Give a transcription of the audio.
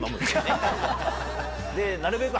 なるべく。